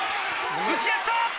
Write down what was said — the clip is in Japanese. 打ち合った！